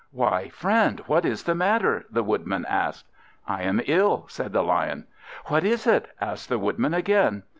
"Why, friend, what is the matter?" the Woodman asked. "I am ill," said the Lion. "What is it?" asked the Woodman again.